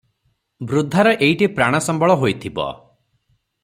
ବୃଦ୍ଧାର ଏଇଟି ପ୍ରାଣସମ୍ବଳ ହୋଇଥିବ ।